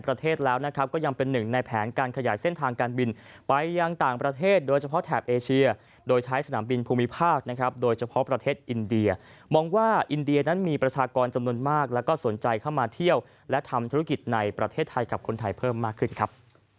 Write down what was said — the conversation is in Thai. ประเทศแล้วนะครับก็ยังเป็นหนึ่งในแผนการขยายเส้นทางการบินไปยังต่างประเทศโดยเฉพาะแถบเอเชียโดยใช้สนามบินภูมิภาคนะครับโดยเฉพาะประเทศอินเดียมองว่าอินเดียนั้นมีประชากรจำนวนมากแล้วก็สนใจเข้ามาเที่ยวและทำธุรกิจในประเทศไทยกับคนไทยเพิ่มมากขึ้นครับ